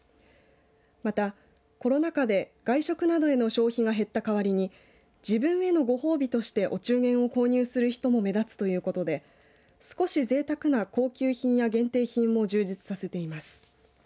また、コロナ禍で外食などへの消費が減った代わりに自分へのご褒美としてお中元を購入する人も目立つということで少しぜいたくな高級品や限定品も充実させています。